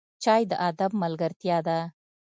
چای د ادب ملګرتیا ده